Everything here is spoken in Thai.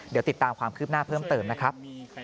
เดี๋ยวติดตามความคืบหน้าเพิ่มเติมนะครับ